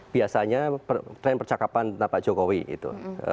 biasanya tren percakapan dengan pak jokowi itu